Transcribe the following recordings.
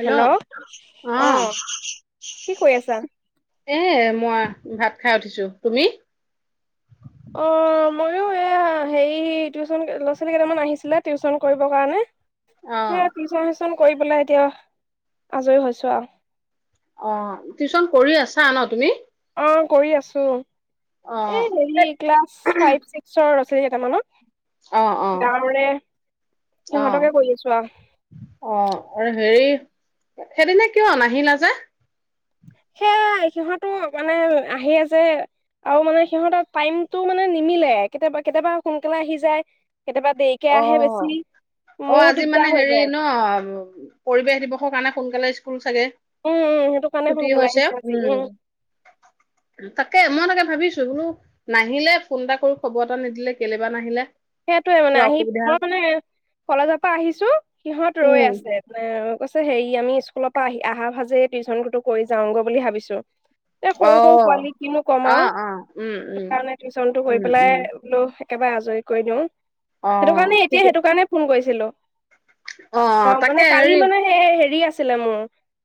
Hello অ কি কৰি আছা এ মই ভাত খাই উঠিছো। তুমি? অ ময়ো এ হেৰি টিউচন, ল'ৰা ছোৱালী কেইটামান আহিছিলে টিউচন কৰিবৰ কাৰণে। অ সেয়া টিউচন চন কৰি পেলাই এতিয়া আজৰি হৈছো আৰু। অ, টিউচন কৰি আছা ন তুমি? অ, কৰি আছোঁ। অ এই হেৰি, ক্লাছ ফাইভ চিক্সৰ অ অ এটামানত। গাঁৱৰে, অ সিহঁতকে কৰি আছোঁ আৰু। অ। আৰু হেৰি, সেইদিনা কিয় নাহিলা যে? সেয়াই। সিহঁতো মানে আহি আছে আৰু মানে সিহঁতৰ টাইমতটো মানে নিমিলে, কেতিয়াবা কেতিয়াবা সোনকালে আহি যায়। কেতিয়াবা দেৰিকে অ, আহে বেছি। অ মোৰো আজি দিগদাৰ মানে হৈ হেৰি যায় ন, পৰিৱেশ দিৱসৰ কাৰণে সোনকালে স্কুল চাগে উম উম সেইটো কাৰণে ছুতি সোনকালে হৈছে, আহিছে আজি উম উম। তাকে মই মানে ভাবিছো বোলো, নাহিলে ফোন এটা কৰো খবৰ এটা নিদিলে, কেলেবা নাহিলে। সেইটোৱে মানে কিবা আহি, অসুবিধা মই মানে কলেজৰ পৰা আহিছো, সিহঁত ৰৈ উম আছে। মানে সে কৈছে হেৰি আমি স্কুলৰ পৰা আহি আহা ভাজেই টিউশচনো কৰি যাওঁগৈ বুলি ভাবিছোঁ। এ অ সৰু সৰু পোৱালি কিনো কম অ আৰু। অ উম সেই উম কাৰণে টিউশচন টো কৰি উম পেলাই উম বোলো একেবাৰে আজৰি কৰি দিওঁ। অ সেইটো কাৰণে এতিয়া ঠিকে সেইটো কাৰণেই ফোন কৰিছিলো। [inaudible] অ তাকে মানে কালি হেৰি মানে সেই হেৰি আছে। ছিলে মোৰ।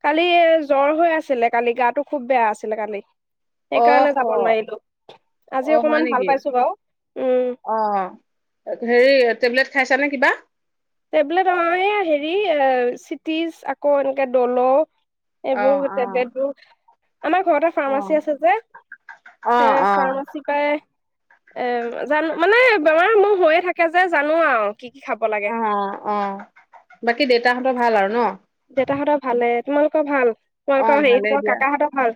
কালি জ্বৰ হৈ আছিলে কালি, গাটো খুব বেয়া আছিলে কালি। অ সেইকাৰণে হ যাব নোৱাৰিলো। অ আজি হয় অকমান নেকি ভাল পাইছো বাৰু। উম। অ হেৰি টেবলেট খাইছা নে কিবা? তেব হেৰি এ, চিটিজ আকৌ এনেকে দল' অ এইবোৰ অ তেবলেট বোৰ আমাৰ ঘৰতে অ ফাৰ্মাচী আছে যে, অ সেই ফাৰ্মাচী পাই, এ জানো মানে বেমাৰ সমূহ হৈয়ে থাকে যে, জানো আৰু। কি কি খাব লাগে অ অ অ বাকী দেউেতাহঁতৰ ভাল আৰু ন। দেতাহঁতৰ ভালে। তোমালোকৰ ভাল? অ তোমালোকৰ ভালেই হেৰিহঁতৰ দিয়া, কাকাহঁতৰ ভাল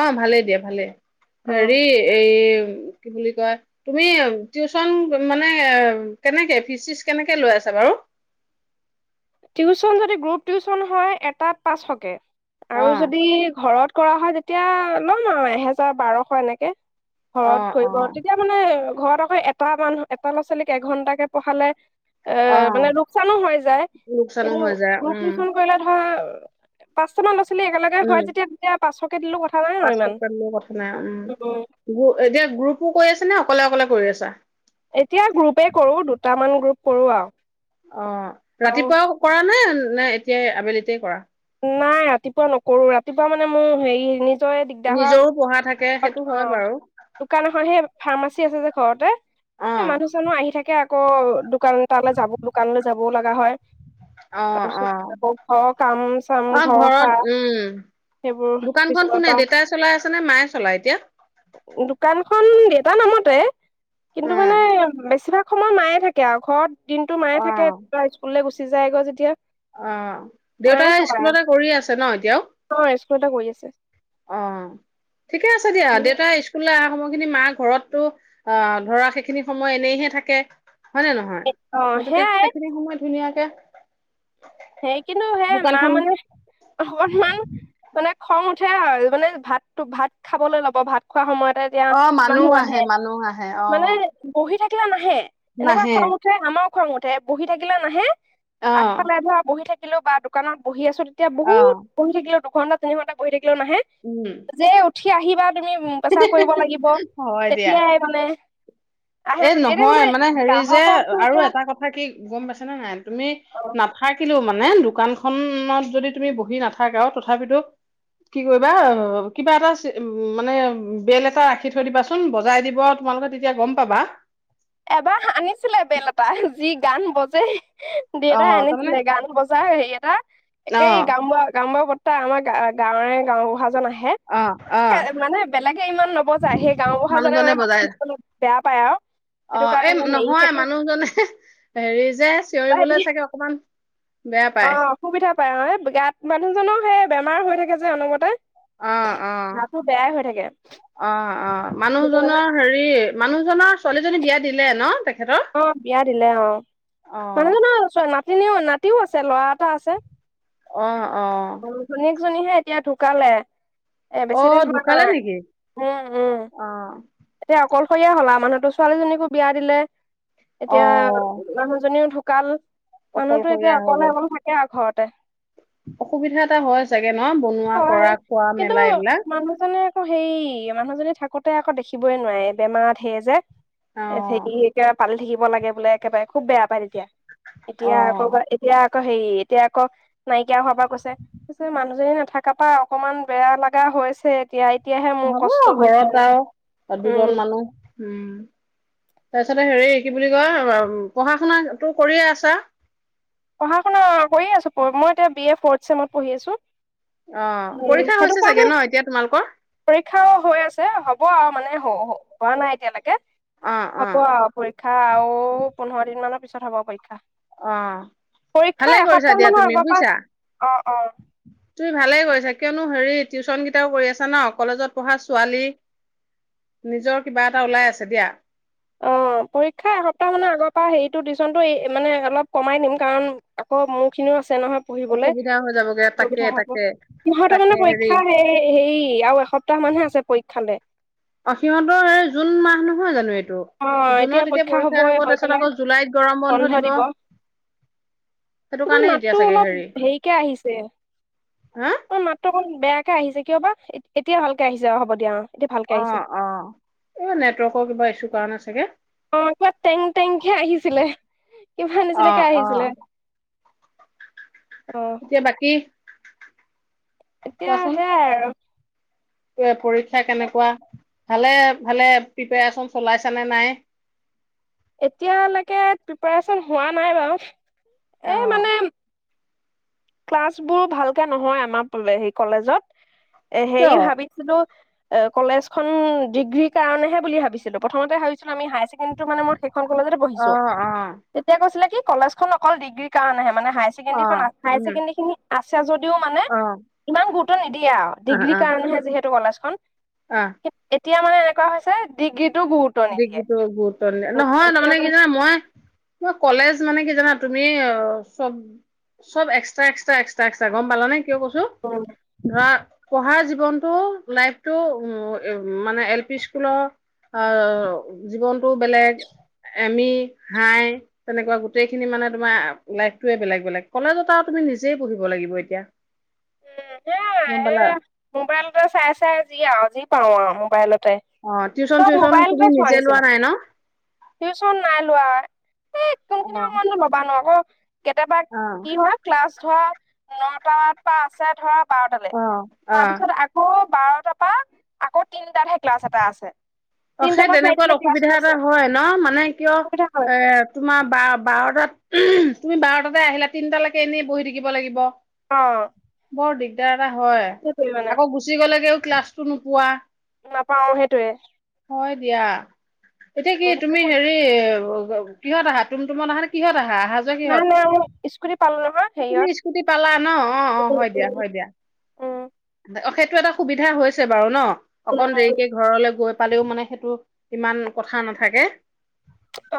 অ ভালেই দিয়া ভালেই। অ হেৰি এই কি বুলি কয়, তুমি টিউচন মানে কেনেকে, ফিজ চিজ কেনেকে লৈ আছা বাৰু? টিউচন যদি গ্ৰুপ টিউচন হয়, এটাত পাঁচশ কে। অ আৰু যদি ঘৰত কৰা হয় তে এতিয়া ল'ম আৰু এহেজাৰ বাৰশ এনেকে অ ঘৰত অ কৰিব তেতিয়া মানে ঘৰত হয় এটা মানুহ এটা ল'ৰা -ছোৱালীক এঘন্টাকে পঢ়ালে অ এহ মানে লোকচানো হৈ যায় লোকচানো কিন্ত হৈ যায় গ্ৰুপ উম টিওচন কৰিলে ভাল পাৰ, পাঁচটামান ল'ৰা -ছোৱালী একেলগে হয় যেতিয়া তেতিয়া পাছত পাঁচৰ কথা নাই, উম গ‌‌ও এতিয়া গ্ৰুপো কৈ আছে নহ অকলে অকলে কৰি আছা। এতিয়া গ্ৰুপে কৰো দুটামান গ্ৰুপ কৰো আৰু অহ ৰাতিপুৱাও কৰা নে? নাই এতিয়াই আবেলিতেই কৰা নাই ৰাতিপুৱা নকৰো ৰাতিপুৱা মানে মোৰ হেৰি নি নিশ্চয় দিগদাৰ নিজৰো পঢ়া থাকে হয়বা?? সেইটো হয় অহ বাৰু দোকানখনহে ফাৰ্মাচী আছে যে ঘৰতে অ' মানুহ চানুহ আহি থাকে আকৌ দোকান তালৈ যাব দোকানলৈ যাবও লগা হয় অহ তাৰপিছত অহ আকৌ ঘৰৰ কাম চাম অহ ঘৰৰ ঘৰত সাৰ উম সেইবোৰ দোকানখন বিচনাৰ কোনে পৰা দেতাই চলাই আছে নে মায়ে চলাই? এতিয়া দোকানখন দেউতাৰ নামতে। কিন্তু মানে অ' বেছিভাগ সময় মায়ে থাকে আৰু ঘৰত দিনটো মায়ে থাকে স্কুললৈ গুচি সিজাই গ যেতিয়া অহ, মায়ে দেউতাই স্কুলতে কৰি আছে নহ এতিয়াও? স্কুলটে কৰি আছে অহ ঠিকে আছে দিয়া দেউতা স্কুললৈ অহা সময় তেলখিন মাৰ ঘৰতো আহ ধৰা সেইখিনি সময় এনেহে থাকে। হয় নে নহয় অ' গতিকে সেয়াই সেইখিনি সময় ধুনীয়া [unintelligible] সেই কিন্তু সে মা মানে অকনমান মানে খং উঠে আৰু মানে ভাতটো ভাত খাবলৈ ল'ব ভাত খোৱা সময়ত এতিয়া অ মানুহ আহে, মানুহ আহে অ মানে বহি থাক [unintelligible] নাহে এনেকুৱা নাহে খং উঠে আমাৰ খং উঠে, বহি থাকিলে নাহে অ [inaudible] শুই থাকিলেও বা দোকানত বহি আছো এতিয়া অ বহুত পঢ়ি থাকিলেও ঘণ্টা তিনিণ্টা বহি থাকি নাহে, উম যে উঠ উঠি আহিবা তুমি পেচাব কৰিব লাগিব, তেতিয়াই মানে আহে এ যেতিয়া এতিয়া নহয়, মানে হেৰি যে, গ্ৰাহককতো আৰু এতিয়া এটা কথা কি গম পাইছা নে নাই, তুমি অ নাথাকিলেও মা নাই, দোকান খনত যদি তুমি বহি নাথাকাও, তথাপিতো কি কৰিবা, কিবা এটা চি মানে বে'ল এটা ৰাখি থৈ দিবাচোন, বজাই দিব আৰু তোমালোকে তেতিয়া গম পাবা। এবাৰ আনিছিলে বেল এটা যি গান বজে! অ দেতাই তাৰমানে আনিছিলে গান বজা হেৰি এটা, অ একে গাম বোৱা, গাম বোৱা বত ত আমাৰ গ গাঁৱে গাওবুঢ়াজন আহে অ অ মানে বেলেগে ইমান নবজায় সেই গাওবুঢ়া জনে মানুহজনে বজাই মানে বেয়া পাইও অ এই নহয় মানুহজনে হেৰি যে বজাই চিঞৰিবলৈ দিয়ে চাগে অকমান বেয়া অ পায় অসুবিধা পায় ন গাত মানুহজনৰও সে বেমাৰ হৈ থাকে যে অনমতে অ অ অ অ সেইটো কাৰণে মানুহজনৰ হেৰি মানুহজনৰ ছোৱালীজনী বিয়াত দিলে ন তাক অ বিয়া দিলে অ অ মানুহজন [unintelligible] তিনিও নাতিও আছে ল'ৰা এটা আছে। অ অ শুনি জনীহে এতিয়া ঢুকালে। এ অ বেছি দিন হোৱা ঢুকালে নাই। নেকি উম উম অ এতিয়া অকল সৈয়া হলা মানুহতো ছোৱালীজনীকো বিয়া দিলে। অ এতিয়া মানুহজনীওঢ কাল মানুহতো এতিয়া অকলশৰীয়া হৈ অকলে গল অকলে থাকে আৰু ঘৰত ত অসুবিধা এটা হয় চাগে ন বনোৱা হয় কৰা খোৱা কিন্তু মেলা এইবিলাক মানুহজনে আকৌ হেই মানুহজী থাকো ততে আকৌ দেখিবই নোৱাৰে বেমাৰত সে যে অ সে এতিয়া পালে থাক লাগে বোলে একেবাৰে খুব বেয়া পায় তেতিয়া অ এতিয়া আকৌ এতিয়া আক হেৰি এতিয়া আকৌ নাইকিয়া হোৱাৰ পৰা কৈছে সেইটোৱে মানুহজনী নাথাকে তাপা অকমান বেয়া লগা হৈছে এতিয়া এতিয়াহে মোৰ হ'ব কষ্ট হৈছে ঘৰত এনেকে আৰু উম দুজন মানুহ উম তাৰপিছতে হেৰি কি বুলি কয় পঢ়া শুনা টো কৰিয়ে আছা পঢ়া শুনা কৰিয়ে আছো মই বি এ ফৰথ চেমত পঢ়ি আছো অ উ পৰীক্ষা সেইটো হৈছে চাগে কাৰণে ন এতিয়া তোমালোকৰ পৰীক্ষাও হৈ আছে হ'ব আৰু মানে হোৱা নাই এতিয়ালৈকে অ অ হ'ব আৱ পৰীক্ষা পৰীক্ষা আৰু পোন্ধৰ দিন মানৰ পিছত হ'ব পৰীক্ষা অ ভালে পৰীক্ষা কৰিছা এসপ্তাহ দিয়া মানৰ তুমি আগৰ পৰা বুজিছা অ অ তুমি ভালে কৰিছা কিয়নো হেৰি টিউচন কেইটাও কৰি আছা ন কলেজত পঢ়া ছোৱালী নিজৰ কিবা এটা ওলাই আছে দিয়া অ পৰীক্ষা এসপ্তাহ মানৰ আগৰ পৰা হেৰিটো টিউচনটো মানে অলপ কমাই নিম কাৰণ আকৌ মোৰ খিনিও আ আছে নহয় পঢ়িবলৈ অসুবিধা হৈ যাবগে তাকে অসুবিধা হ'ব তাকে সিহঁতৰ মানে পৰীক্ষা হে হেৰী কি এখ অসীমত স জুন মাহ নহ নহ জানো এইটো অ এতিয়া জুনত পৰীক্ষা হ'বই হ'ব হৈ তাৰপিছত পেলাই আকৌ জুলাইত গৰম বন্ধ দিব সেইটো তোমাৰ কাৰণে এতিয়া মাতটো চাগে অলপ হেৰি হেৰিকে আহিছে হা তোমাৰ মাতটো অকণ বেয়াকে আহিছে কিয় বা এতিয়া ভালকে আহিছে অ হব দিয়া অ এতিয়া ভালকে অ আহিছে অ এইবাৰ নেটৱৰ্কৰ কিবা ইচু দ কাৰণে ছাগে অ কিবা টেং টেংহে আহিছিলে কিবা অ নিচিনাকে অ আহিছিলে অ এতিয়া বাকী এতিয়া কোৱাচোন সেয়াই আৰু পৰীক্ষা কেনেকুৱা ভালে ভালে প্ৰিপৰেচন চলাইছানে নাই? এতিয়ালৈকে প্ৰিপাৰচন হোৱা নাই বাৰু। অ এ মানে ক্লাছবোৰ ভালকে নহয় আমাৰ ফালে সেই কলেজত। এ কিয় হেৰি অ ভাবিছিলোঁ এ কলেজ খন ডিগ্ৰী কাৰণেহে বুলি ভাবিছিলোঁ, প্ৰথমতে ভাবিছিলোঁ আমি হায়ছেকেণ্ডৰী মানে মোৰ সেইখন কলেজতে পঢ়িছিলোঁ, অ তেতিয়া কৈছিলে কি কলেজখন অকল ডিগ্ৰীৰ কাৰণহে, মানে অ হাইছেচেকণ্ডাৰীখন উম হায়ছেকেণ্ডৰীখিনি আছে যদিও মানে অ ইমান গুৰুত্ব নিদিয়ে আৰু, অ অ ডিগ্ৰীৰ কাৰণেহে যিহেত এইটো কলেজখন অ'। এতিয়া মানে এনেকুৱা হৈছে ডিগ্ৰী ডিগ্ৰীটো গুৰুত্ব নিদিয়ে, নহয় এতিয়া তাৰমানে কি মানে জানা মই মই কলেজ মানে কি জানা তুমি চব চব এক্সট্ৰা এক্সট্ৰা এক্সট্ৰা এক্সট্ৰা, গম পালা নে? কিয় কৈছো উম ধৰা পঢ়াৰ জীৱনতটো লাইফতটো উ, মানে এল পি স্কুলৰ অ', জীৱনটো বেলেগ এম ই হাই তেনেকুৱা গোটেইখিনি মানে তোমাৰ লাইফটোৱে বেলেগ বেলেগ, কলেজত আৰু তুমি নিজেই পঢ়িব লাগিব এতিয়া। উম, সেয়া গম পালা মোবাইলতে চাই চাই যি আৰু যি। পৰ মোবাইলত অ', টিউচন চিউচন তুমি নিজে লোৱা নিচিনা নাই ন? [inaudible] এই অ কোনখিনি সময়ত নো ম'বাইল লও অ', কেতিয়াবা অ কি হয় ক্লাছ ধৰ নটা। আছে ধৰা পাৰতালে অ অ তাৰপিছত আকৌ বাৰটাৰ পৰা আকৌ তিনটাতহে ক্লাছ এটা আছে। অ', তিনটাৰ সেই পৰা তেনেকুৱাত চাৰিটালে অসুবিধা ক্লাছটো আছে এটা হয় ন মানে কিয় সুবিধা হয় এ তোমাৰ বা বাৰটাত তুমি বাৰটাতে আহিলা তিনটালৈকে এনেই বহি থাকিব লাগিব। অ', বৰ দিগদাৰ হয়, সেইটোৱে মানে আকৌ গুচি গ'লেগেও। ক্লাছটো নোপোৱা। নাপাও সেইটোয়ে হয় দিয়া এতিয়া কি উম, তুমি হেৰি কিহত আহা তমটোমত আহা নে কিহত আহা অহা যোৱা নাই কিহত নাই স্কুতিত তুমি স্কুটি পালা ন অ অ হয় দিয়া হয় দিয়া। উম এইটো এটা সুবিধা হৈছে বাৰু ন অকন দেৰিকে ঘৰলৈ গৈ পালেও মানে সেইটো ইমান কথা নাথাকে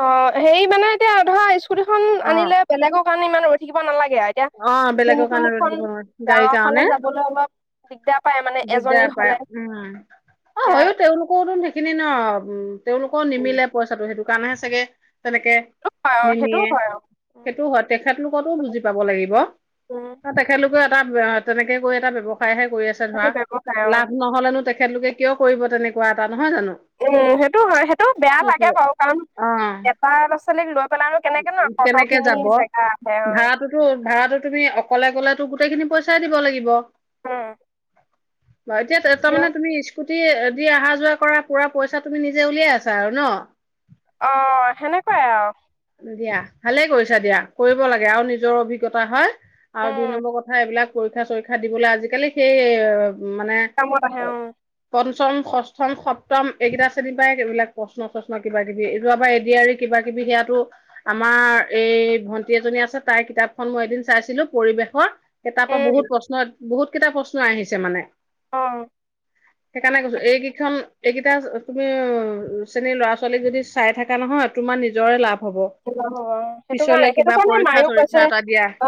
অ হেৰি মানে এতিয়া ধৰা স্কু তি খন অ আনিলে বেলেগক কাৰণে ইমান ৰৈ থিব নালাগে আৰু এতিয়া অ তুম বেলেগৰ কাৰণে ৰৈ তুমখন থাকিব নোৱাৰো গাড়ীৰ গাঁৱৰ ফালে কাৰণে যাবলৈ অলপ দিগদাৰ পায় মানে এজনী দিগদাৰ হলে পায় উম অ এতিয়া হয়ো তেওঁলোকৰওতম সেইখিনি নম তেওঁওলোকৰ নিমিলে পইচাটো সেইটো দোকানে চাগে তেনেকে হয় অ সেইটোও নিনিয়ে হয় অ সেইটো হয় তেখেতলোককো বুজি যাব লাগিব উম তাত একে লোক এটা তেনেকে কৈ এটা ব্যৱস্থা তাইহে কৰি আছে ধৰা সেইটো ব্যৱসায় অ লাভ নহলেনো তেখেতলোকে কিয় কৰিব তেনেকুৱা এটা নহয় জানো উম সেইটো হয় সেইটো বেয়া লাগে সেইটোৱে বাৰু কাৰণ এটা [unintelligible] ন উ কত কেনেকে খিনি যাব জেগা আহে অ ভাড়াতো ভাড়া তুমি অকলে গলেতো গোটেইখিনি পইচাই দিব লাগিব হম এতিয়া তাৰমানে তুমি্ দি অহা যোৱা কৰা পুৰা পইচা তুমি নিজে উলিয়াই আছা আৰু ন অ সেনেকুৱাই আৰু দিয়া ভালে কৰিছা দিয়া কৰিব লাগে আৰু নিজৰ অভিজ্ঞতা হয় আৰু দুই উম নম্বৰ কথা এইবিলাক পৰীক্ষা চৰীক্ষা দিবলৈ আজিকালি সেই মানে কামত আহে অ পঞ্চম ষষ্ঠম সপ্তম এইকেইটা শ্ৰেণীৰ পৰা এইবিলাক প্ৰশ্ন চশ্ন কিবা কিবি এইটো আৰ এডি এৰি কিবা কিবি সেয়াটো আমাৰ এই ভন্টি এজনী আছে তাইৰ কিতাপখন মই এদিন চাইছিলো পৰিৱেশৰ কে তাৰপৰা পৰা বহুত উম প্ৰশ্ন বহুত কেইটা প্ৰশ্ন আহিছে মানে উম সেইকাৰণে কৈছো এইকেইখন এইকেইটা তুমি শ্ৰেণীৰ ল'ৰা ছোৱালীক যদি চাই থাকা নহয় তোমাৰ নিজৰে লাভ হ'ব সেইটো পিছলে কাৰণে সেইটো কিবা কাৰণে পৰীক্ষা মায়ো চৰীক্ষা কৈছে এটা দিয়া অ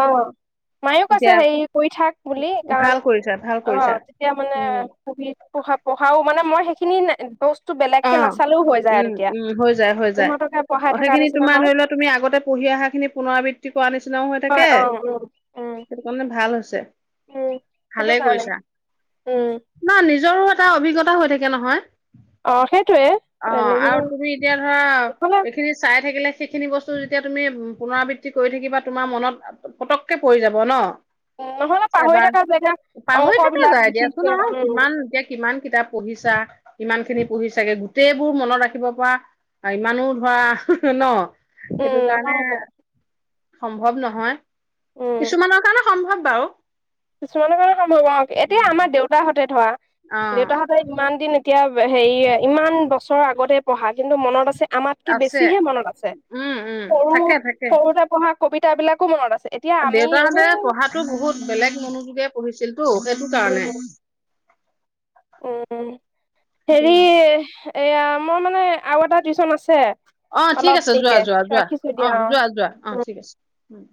মায়েও কৈছে দিয়া হেৰি কৰি থাক বুলি কাৰণ ভাল কৰিছা ভাল অ কৰিছা তেতিয়া মানে উম। পঢ়ি পঢা পঢ়াও মানে মই খিনি বেলেগ কে অ'। নাচালেও হৈ যায় আৰু উম তেতিয়া উম হৈ যায় হৈ যায়। সিহঁতকে পঢ়াই অ' থকা সেইখিনি নিচিনা তোমাৰ হয় ধৰি লোৱা তুমি আগতে পঢ়ি অহা খিনি পুনৰাবৃত্তি কৰ নিচিনাও হৈ হয় থাকে অ উম উম সেইটো কাৰণে ভাল হৈছে উম সেইটো ভালে কাৰণে কৰিছা উম ন নিজ নিজৰো এটা অভিজ্ঞতা হৈ থাকে নহয় অ সেইটোয়ে অ নিজৰ আৰু তুমি এতিয়া ধৰা নহলে এইখিনি চাই থাকিলে সেইখিনি বস্তু যেতিয়া তুমি পুনৰাবৃত্তি কৰি থাকিবা তোমাৰ মনত পতককে পৰি যাব ন নহলে পাহৰি এবাৰ থকা জেগা অংক পাহৰি থাকা বিলাক যায় বিশেষকে দিয়াচোন আহ উম কিমান এতিয়া কিমান কিতাপ পঢ়িছা ইমান খিনি পঢ়ি চাগে গোটেইবোৰ মনত ৰাখিব পৰা ইমানো ধৰা ন সেইটো কাৰণে উম সম্ভৱ নহয় কিছুমানৰ কাৰণে সম্ভৱ বাাৰু কিছুমান কা ব এতিয়া আমাৰ দেউতাহঁতে ধৰ অ দেউতাহঁতে ইমান দিন এতিয়া হেৰি ইমান বছৰৰ আগতে পঢ়া কিন্তু মনত আছে আমাতকে আছে বেছিহে মনত আছে উম উম সৰু থাকে সৰুতে পঢ়া কবিতাবিলাকো মনত আছে এতিয়া আমি উ দেউতাৰাহঁতেৰে পঢ়াতো বহুত বেলেগ মনোযোগে পঢ়িছিল অ হেতু কাৰনে উম সেইটো হেৰি কাৰণে। এয়া মই মানে আৰু এটা টিউচন আছে অ ঠিক অলপ আছে যোৱা দেৰিকে যোৱা যোৱা ৰাখিছো অ দিয়া যোৱা যোৱা অ ঠিক আছে উম